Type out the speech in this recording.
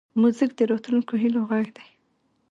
موزیک د راتلونکو هیلو غږ دی.